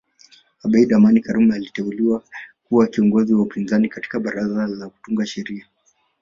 Abeid Amani Karume aliteuliwa kuwa kiongozi wa upinzani katika baraza la kutunga sheria